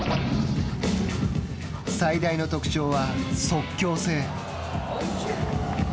最大の特徴は即興性。